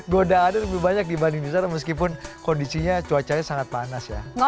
godaannya lebih banyak dibanding di sana meskipun kondisinya cuacanya sangat panas ya